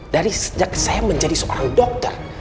dari sejak saya menjadi seorang dokter